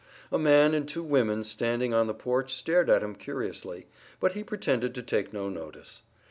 A man and two women standing on the porch stared at him curiously, but he pretended to take no notice.